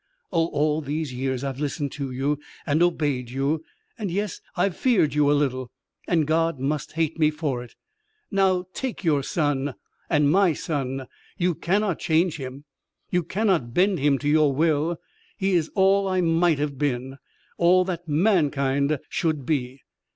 Oh, all these years I've listened to you and obeyed you and yes, I've feared you a little and God must hate me for it. Now take your son. And my son. You cannot change him. You cannot bend him to your will. He is all I might have been. All that mankind should be."